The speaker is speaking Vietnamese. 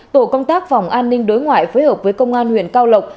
tổ công tác phòng an ninh đối ngoại phối hợp với công an huyện cao lộc